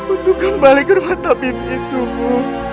untuk kembali ke rumah tabib itu ibu